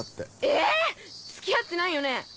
え⁉付き合ってないよね？